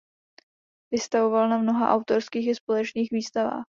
Vystavoval na mnoha autorských i společných výstavách.